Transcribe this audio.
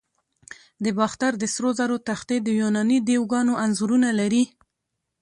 د باختر د سرو زرو تختې د یوناني دیوگانو انځورونه لري